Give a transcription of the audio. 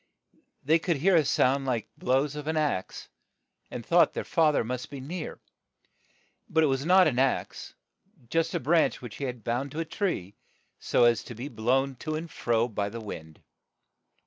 They could hear a sound like blows of an axe, and thought their fa ther must be near ; but it was not an axe, but a branch which he had bound to a tree, so as to be blown to and fro by the wind.